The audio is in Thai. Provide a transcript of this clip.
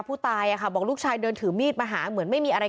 ผู้ตายบอกลูกชายเดินถือมีดมาหาเหมือนไม่มีอะไร